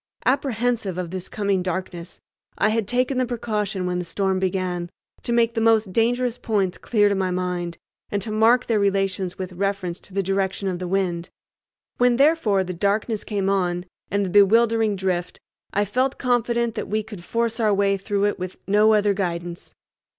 Apprehensive of this coming darkness, I had taken the precaution, when the storm began, to make the most dangerous points clear to my mind, and to mark their relations with reference to the direction of the wind. When, therefore, the darkness came on, and the bewildering drift, I felt confident that we could force our way through it with no other guidance.